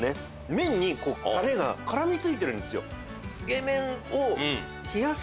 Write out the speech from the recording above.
麺にタレが絡み付いてるんですよ。